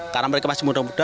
karena mereka masih muda muda